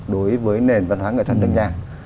đối với nền văn hóa nghệ thuật nước nhà